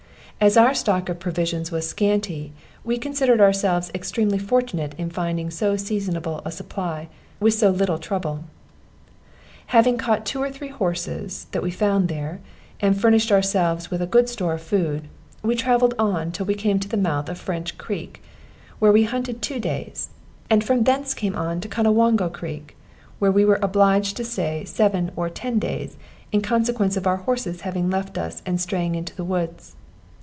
As our stock of provision was scanty, we considered ourselves extremely fortunate in finding so seasonable a supply, with so little trouble. Having caught two or three horses, that we found there, and furnished ourselves with a good store of food, we travelled on till we came to the mouth of French Creek, where we hunted two days, and from thence came on to Conowongo Creek, where we were obliged to stay seven or ten days, in consequence of our horses having left us and straying into the woods.